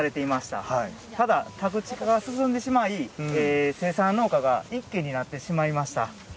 ただ、宅地化が進んでしまい生産農家が１軒になってしまいました。